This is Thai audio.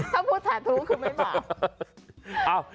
ถ้าพูดสาธุคือไม่มา